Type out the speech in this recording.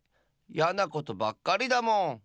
やなことばっかりだもん。